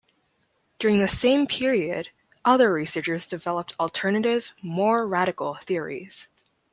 During the same period, other researchers developed alternative, more radical theories.